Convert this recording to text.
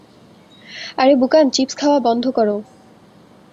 আরে বুকান, চিপস খাওয়া বন্ধ করো।